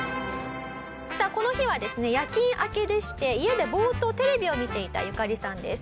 さあこの日はですね夜勤明けでして家でぼーっとテレビを見ていたユカリさんです。